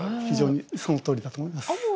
非常にそのとおりだと思います。